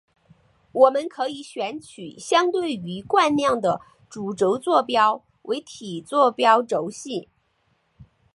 我们可以选取相对于惯量的主轴坐标为体坐标轴系。